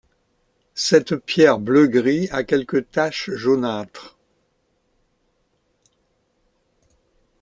Cette pierre bleu-gris a quelques taches jaunâtres.